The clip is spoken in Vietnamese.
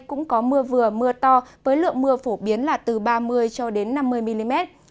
cũng có mưa vừa mưa to với lượng mưa phổ biến là từ ba mươi cho đến năm mươi mm